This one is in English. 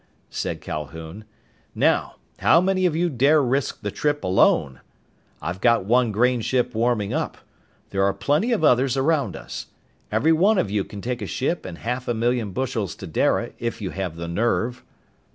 said Calhoun. "Now, how many of you dare risk the trip alone? I've got one grain ship warming up. There are plenty of others around us. Every one of you can take a ship and half a million bushels to Dara, if you have the nerve!"